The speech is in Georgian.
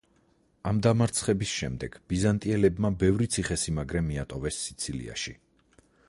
ამ დამარცხების შემდეგ, ბიზანტიელებმა ბევრი ციხე-სიმაგრე მიატოვეს სიცილიაში.